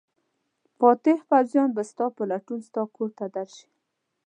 فاتح پوځیان به ستا په لټون ستا کور ته درشي.